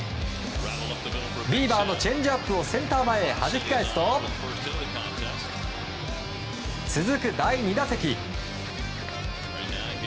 ビーバーのチェンジアップをセンター前へはじき返すと続く第２打席。